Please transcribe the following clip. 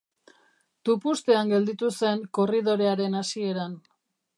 Tupustean gelditu zen korridorearen hasieran.